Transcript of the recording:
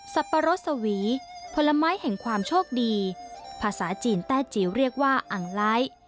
ปะรดสวีผลไม้แห่งความโชคดีภาษาจีนแต้จิ๋วเรียกว่าอังไลท์